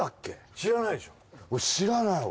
知らない俺。